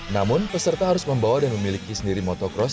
namun peserta harus membawa dan memiliki sendiri motocross